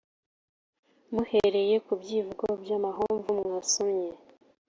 Muhereye ku byivugo by’amahomvu mwasomye